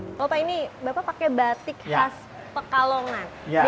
kalau pak ini bapak pakai batik khas pekalongan